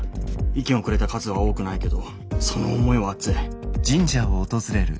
意見をくれた数は多くないけどその思いは熱い。